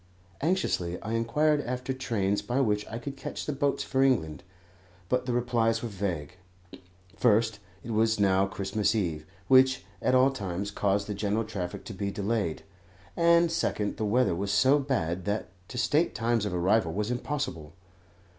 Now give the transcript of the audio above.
Anxiously I inquired after trains by which I could catch the boats for England, but the replies were vague. First, it was now Christmas Eve, which at all times caused the general traffic to be delayed; and, second, the weather was so bad that to state times of arrival was impossible.